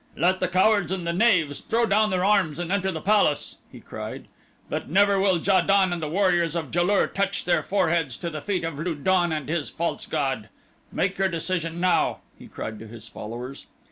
"Let the cowards and knaves throw down their arms and enter the palace," he cried, "but never will Ja don and the warriors of Ja lur touch their foreheads to the feet of Lu don and his false god. Make your decision now," he cried to his followers.